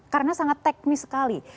karena sangat teknis sekali